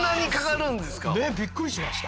ねえびっくりしました。